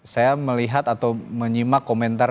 saya melihat atau menyimak komentar